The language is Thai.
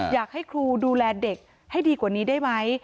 อยากให้ครูดูแลเด็กให้ดีกว่านี้ได้ไหม